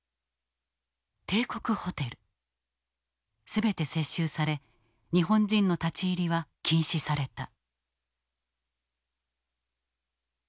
全て接収され日本人の立ち入りは禁止された。